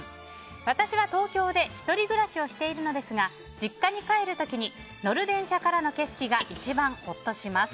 私は東京で１人暮らしをしているのですが実家に帰る時に乗る電車からの景色が一番ほっとします。